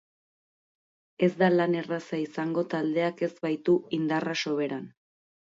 Ez da lan erraza izango taldeak ez baitu indarra soberan.